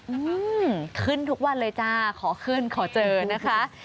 อืมขึ้นทุกวันเลยจ้าขอขึ้นขอเจอนะคะ